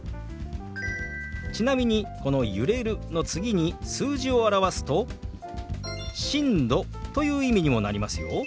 ちなみにこの「揺れる」の次に数字を表すと「震度」という意味にもなりますよ。